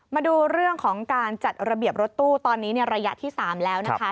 มาดูเรื่องของการจัดระเบียบรถตู้ตอนนี้ระยะที่๓แล้วนะคะ